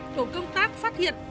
tổ công tác phát hiện